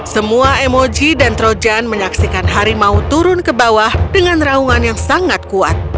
semua emoji dan trojan menyaksikan harimau turun ke bawah dengan raungan yang sangat kuat